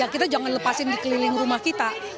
kita jangan lepasin di keliling rumah kita